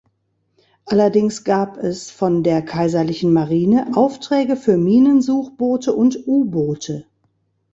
Allerdings gab es von der Kaiserlichen Marine Aufträge für Minensuchboote und U-Boote.